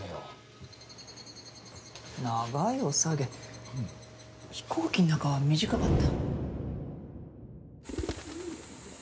長いおさげ飛行機の中は短かった。